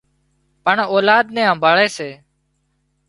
پڻ اولاد نين همڀاۯي سي